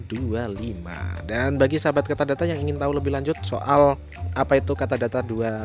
dan bagi sahabat kata data yang ingin tahu lebih lanjut soal apa itu kata data dua puluh lima